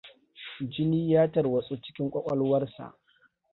Jini ya tarwatsu cikin ƙwaƙwalwar sa.